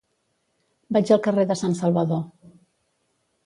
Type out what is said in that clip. Vaig al carrer de Sant Salvador.